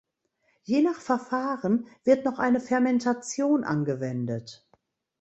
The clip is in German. Je nach Verfahren wird noch eine Fermentation angewendet.